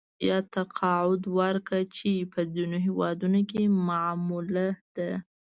یا تقاعد ورکړه چې په ځینو هېوادونو کې معموله ده